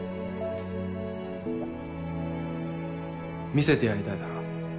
見せてやりたいだろ。